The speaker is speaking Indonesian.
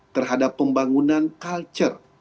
terhadap pembangunan culture